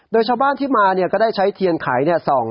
โดยชาวบ้านที่มาก็ได้ใช้เทียนไขส่อง